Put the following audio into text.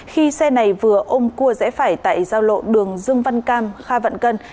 khi xe này vừa ôm cua rẽ phải tại giao lộ đường dương văn cam kha vạn cân